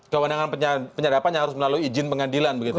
kewenangan penyadapan yang harus melalui izin pengadilan begitu ya